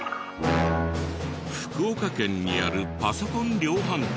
福岡県にあるパソコン量販店では。